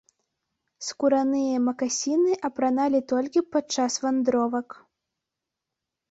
Скураныя макасіны апраналі толькі падчас вандровак.